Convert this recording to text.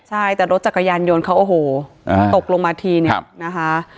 ใช่แต่รถจักรยานยนต์เขาโอ้โหตกลงมาทีเนี่ยนะคะ